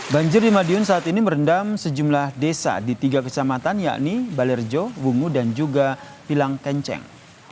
banjir di madiun saat ini merendam sejumlah desa di tiga kecamatan yakni balerjo bungu dan juga pilang kenceng